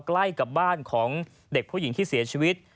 ใกล้กับบ้านของเด็กผู้หญิงที่เสียชีวิต